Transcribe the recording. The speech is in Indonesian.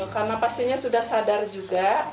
karena pasiennya sudah sadar juga